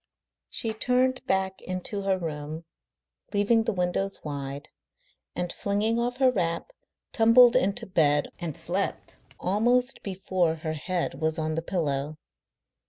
She turned back into her room, leaving the windows wide, and, flinging off her wrap, tumbled into bed and slept almost before her head was on the pillow.